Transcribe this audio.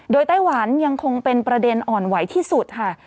โดยไต้หวันยังคงเป็นประเด็นอ่อนไหวที่สุดค่ะ